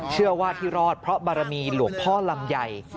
เชื่อว่าที่รอดเพราะบารมีหลวงพ่อลำไย